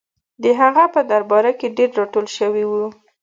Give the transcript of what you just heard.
د هغه په درباره کې ډېر راټول شوي وو.